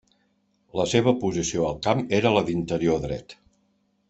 La seva posició al camp era la d'interior dret.